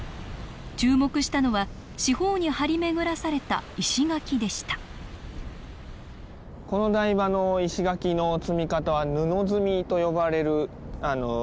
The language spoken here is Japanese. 注目したのは四方に張り巡らされた石垣でしたこの台場の石垣の積み方は布積みと呼ばれる積み方です。